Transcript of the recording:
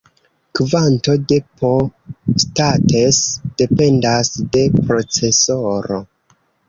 Kvanto de "P-States" dependas de procesoro.